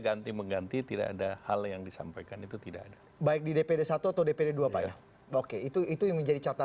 apa deklarasi tadi menurut bapak gimana